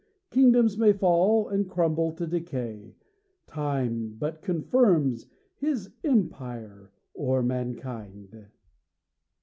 Kingdoms may fall, and crumble to decay, Time but confirms his empire o'er mankind.